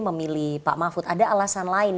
memilih pak mahfud ada alasan lain